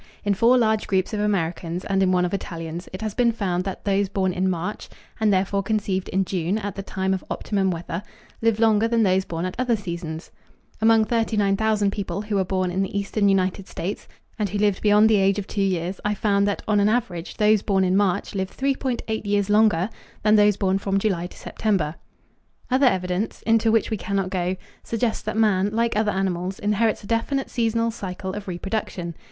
In four large groups of Americans and in one of Italians it has been found that those born in March, and therefore conceived in June at the time of optimum weather, live longer than those born at other seasons. Among 39,000 people who were born in the eastern United States and who lived beyond the age of two years I found that on an average those born in March lived 3.8 years longer than those born from July to September. Other evidence, into which we cannot go, suggests that man, like other animals, inherits a definite seasonal cycle of reproduction.